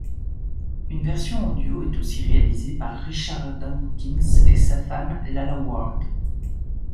Une version audio est aussi réalisée par Richard Dawkins et sa femme Lalla Ward.